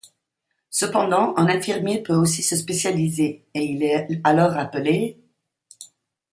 Cependant, un infirmier peut aussi se spécialiser, et il est alors appelé '.